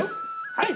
はい！